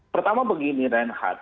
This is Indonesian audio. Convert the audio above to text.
pertama begini renhad